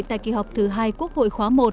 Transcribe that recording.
tại kỳ họp thứ hai quốc hội khóa một